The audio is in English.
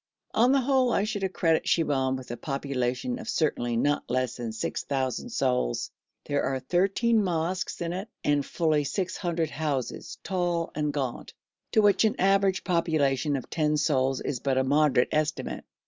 On the whole I should accredit Shibahm with a population of certainly not less than six thousand souls: there are thirteen mosques in it, and fully six hundred houses, tall and gaunt, to which an average population of ten souls is but a moderate estimate.